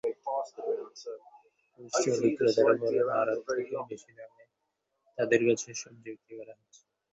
খুচরা বিক্রেতারা বলছেন, আড়ত থেকে বেশি দামে তাঁদের কাছে সবজি বিক্রি করা হচ্ছে।